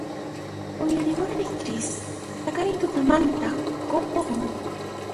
¡Uyariwaychis! ¡Paqarin tutamantan huñukusun!